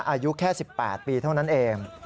อายุแค่๑๘ปีเท่านั้นเอง